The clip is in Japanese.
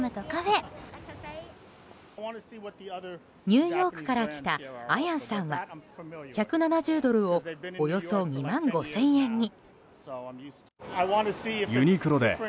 ニューヨークから来たアヤンさんは１７０ドルをおよそ２万５０００円に。